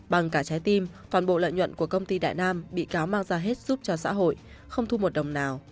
bằng cả trái tim toàn bộ lợi nhuận của công ty đại nam bị cáo mang ra hết giúp cho xã hội không thu một đồng nào